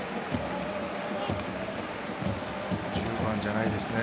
１０番じゃないですね。